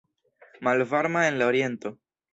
Malvarma en la oriento.